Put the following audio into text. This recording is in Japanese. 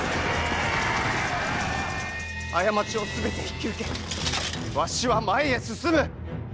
過ちを全て引き受けわしは前へ進む！